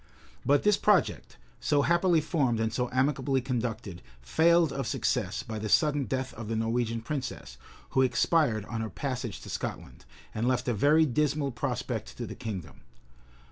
{1291.} But this project, so happily formed and so amicably conducted, failed of success, by the sudden death of the Norwegian princess, who expired on her passage to Scotland,[*] and left a very dismal prospect to the kingdom.